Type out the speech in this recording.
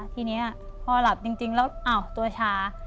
ทีนี้พอหลับจริงแล้วอ้าวตัวชา